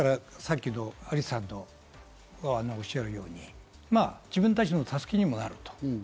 さっきの有田さんのおっしゃるように、自分たちの助けにもなると。